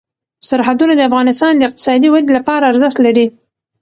سرحدونه د افغانستان د اقتصادي ودې لپاره ارزښت لري.